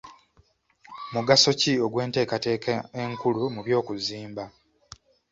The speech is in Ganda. Mugaso ki ogw'enteekateeka enkulu mu by'okuzimba?